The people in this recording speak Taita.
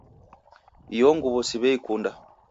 Iyo nguw'o siw'eikunda